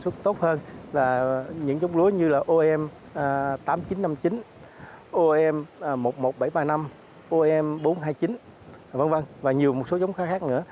chúng tôi khuyên cáo những giống lúa có chất lượng năng suất tốt hơn là những giống lúa như là om tám nghìn chín trăm năm mươi chín om một mươi một nghìn bảy trăm ba mươi năm om bốn trăm hai mươi chín và nhiều một số giống khác nữa